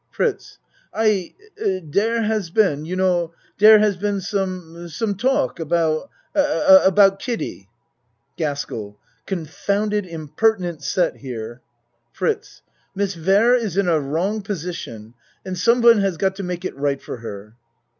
FRITZ I der has been you know der has been some some talk about about Kiddie. GASKELL Confounded impertinent set here. FRITZ Miss Ware is in a wrong position and some one has got to make it right for her.